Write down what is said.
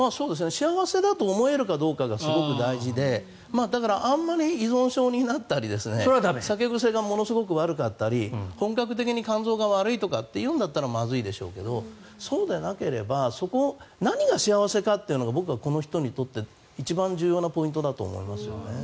幸せだと思えるかどうかがすごく大事であまり依存症になったり酒癖がものすごく悪かったり本格的に肝臓が悪いとかっていうんだったらまずいでしょうけどそうでないんだったら何が幸せかっていうのが僕はこの人にとって一番重要なポイントだと思いますね。